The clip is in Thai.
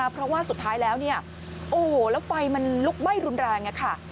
เพราะว่าสุดท้ายแล้วแล้วไฟลุกใบ้รุนแรง